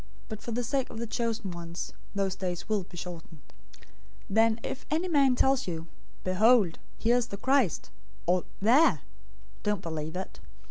But for the sake of the chosen ones, those days will be shortened. 024:023 "Then if any man tells you, 'Behold, here is the Christ,' or, 'There,' don't believe it.